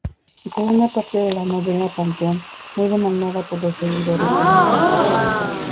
Segunda parte de la novela Panteón, muy demandada por los seguidores del autor.